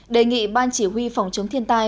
đề nghị ban chỉ huy phòng chống thiên tai